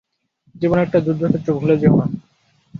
জীবন একটা যুদ্ধক্ষেত্র, ভুলে যেও না!